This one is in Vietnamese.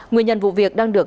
nguyên nhân vụ việc đang được